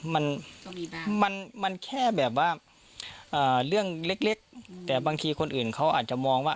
มันมันแค่แบบว่าเรื่องเล็กแต่บางทีคนอื่นเขาอาจจะมองว่า